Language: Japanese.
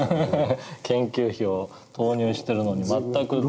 研究費を投入してるのに全くデータが出てこない。